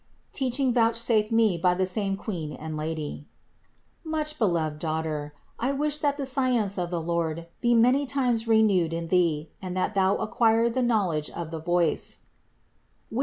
TEACHING VOUCHSAFED ME BY THE SAME QUEEN AND 435. Much beloved daughter, I wish that the science of the Lord be many times renewed in thee, and that thou acquire the knowledge of the voice (Wis.